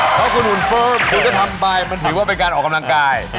เพราะคุณหุ่นเฟิร์มคุณก็ทำไปมันถือว่าเป็นการออกกำลังกาย